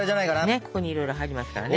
ねっここにいろいろ入りますからね！